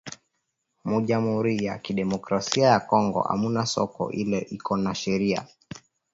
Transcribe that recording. Mu jamhuri ya kidemocrasia ya kongo amuna soko ile iko na sheria